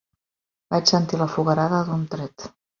Vaig sentir la foguerada d'un tret